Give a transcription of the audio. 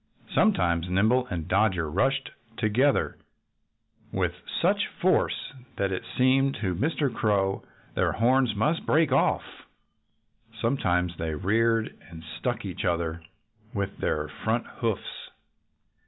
Sometimes Nimble and Dodger rushed together with such force that it seemed to Mr. Crow their horns must break off. Sometimes they reared and struck each other with their front hoofs.